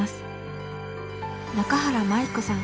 中原舞子さん。